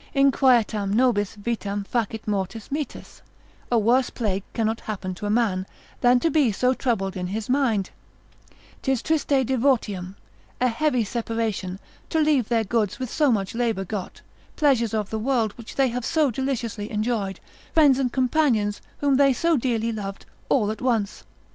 Inquietam nobis vitam facit mortis metus, a worse plague cannot happen to a man, than to be so troubled in his mind; 'tis triste divortium, a heavy separation, to leave their goods, with so much labour got, pleasures of the world, which they have so deliciously enjoyed, friends and companions whom they so dearly loved, all at once.